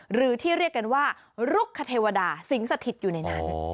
หรือที่เรียกกันว่าลุกคเทวดาสิงสถิตอยู่ในนั้น